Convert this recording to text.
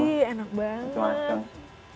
iya enak banget